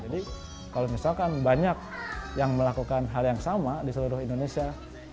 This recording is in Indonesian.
jadi kalau misalkan banyak yang melakukan hal yang sama di seluruh indonesia